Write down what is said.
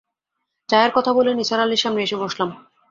চায়ের কথা বলে নিসার আলির সামনে এসে বসলাম।